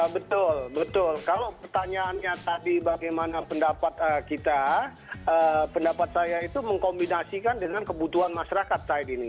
betul betul kalau pertanyaannya tadi bagaimana pendapat kita pendapat saya itu mengkombinasikan dengan kebutuhan masyarakat saat ini